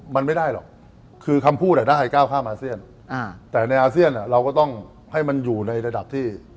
มันไม่ได้หรอกคือคำพูดได้ก้าวข้ามอาเซียนแต่ในอาเซียนเราก็ต้องให้มันอยู่ในระดับที่